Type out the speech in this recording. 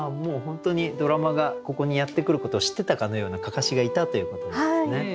ドラマがここにやってくることを知ってたかのような案山子がいたということなんですね。